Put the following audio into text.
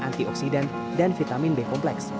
antioksidan dan vitamin b kompleks